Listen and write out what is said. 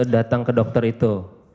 datang ke dokter itu